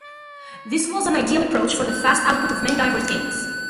This was an ideal approach for the fast output of many diverse games.